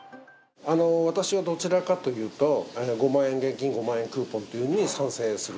私はどちらかというと、５万円で、現金５万円をクーポンに、賛成する。